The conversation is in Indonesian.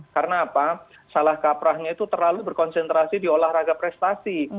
karena apa salah kaprahnya itu terlalu berkonsentrasi di olahraga prestasi